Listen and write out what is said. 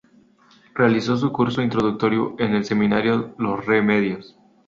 Realizó su curso introductorio en el Seminario los Remedios.